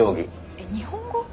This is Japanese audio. えっ日本語？